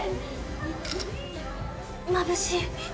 まぶしい！